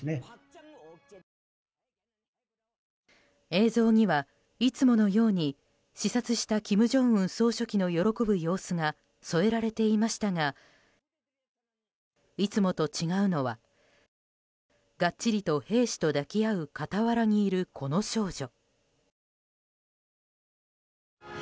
映像にはいつものように視察した金正恩総書記の喜ぶ様子が添えられていましたがいつもと違うのはがっちりと兵士と抱き合う傍らにいるこの少女。